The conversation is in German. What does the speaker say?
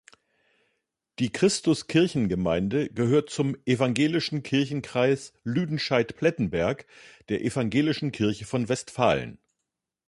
Die Christuskirchengemeinde gehört zum "Evangelischen Kirchenkreis Lüdenscheid-Plettenberg" der Evangelischen Kirche von Westfalen.